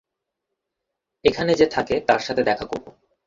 এখানে যে থাকে তার সাথে দেখা করব।